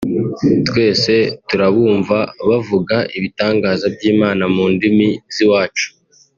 “Twese turabumva bavuga ibitangaza by’Imana mu ndimi z’iwacu”